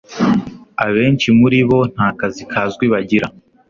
Abenshi muri bo nta kazi kazwi bagira